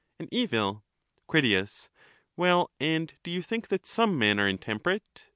An evil. Crit. Well, and do you think that some men are intem perate